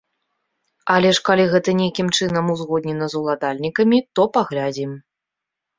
Але ж калі гэта нейкім чынам узгоднена з уладальнікамі, то паглядзім.